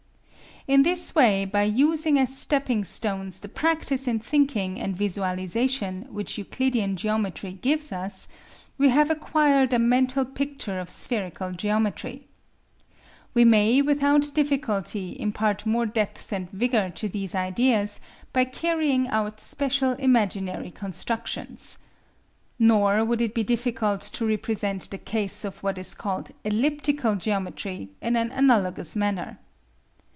In this way, by using as stepping stones the practice in thinking and visualisation which Euclidean geometry gives us, we have acquired a mental picture of spherical geometry. We may without difficulty impart more depth and vigour to these ideas by carrying out special imaginary constructions. Nor would it be difficult to represent the case of what is called elliptical geometry in an analogous manner.